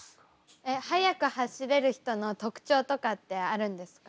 えっ速く走れる人の特徴とかってあるんですか？